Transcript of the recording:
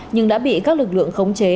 nhưng đã bị các lực lượng khống chế